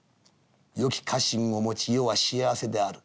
よき家臣を持ち余は幸せである。